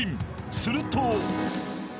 すると］